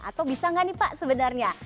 atau bisa nggak nih pak sebenarnya